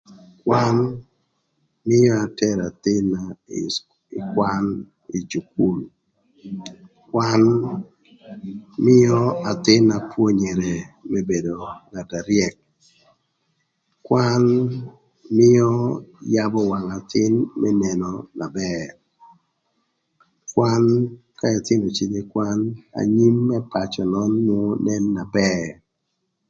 Kwan mïö atero athïn-na ï kwan ï cukul kwan mïö athïn-na pwonyere më bedo ngat na ryëk kwan mïö yabö wang athïn më neno na bër. kwan ka ëthïnö cïdhö ï kwan anyim më pacö nön nwongo nen na bër.